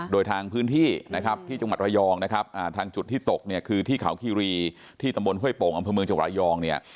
โดยทางพื้นที่นะครับที่จังหวัดระยองนะครับทางจุดที่ตกเนี่ยคือที่เขาคีรีที่ตำบลห้วยโป่งอำเภอเมืองจังหวัดระยองเนี่ย